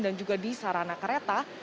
dan juga di sarana kereta